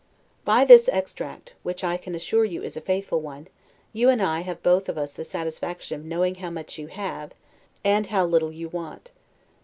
By this extract, which I can assure you is a faithful one, you and I have both of us the satisfaction of knowing how much you have, and how little you want.